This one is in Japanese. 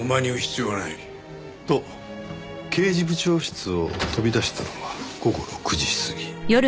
と刑事部長室を飛び出したのが午後６時過ぎ。